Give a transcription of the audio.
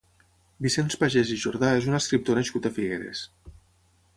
Vicenç Pagès i Jordà és un escriptor nascut a Figueres.